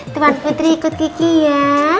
tuan putri ikut gigi ya